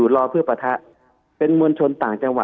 คุณหมอประเมินสถานการณ์บรรยากาศนอกสภาหน่อยได้ไหมคะ